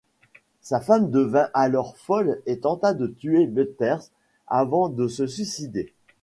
Sa femme devint alors folle et tenta de tuer Butters avant de se suicider.